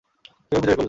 কিভাবে খুঁজে বের করলে?